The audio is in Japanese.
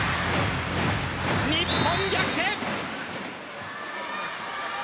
日本逆転。